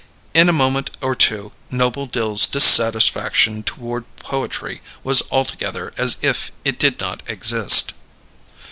In a moment or two Noble Dill's disaffection toward poetry was altogether as if it did not exist.